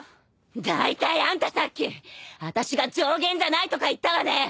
だいたいあんたさっきあたしが上弦じゃないとか言ったわね！？